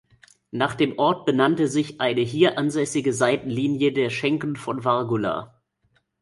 Nach dem Ort benannte sich eine hier ansässige Seitenlinie der Schenken von Vargula.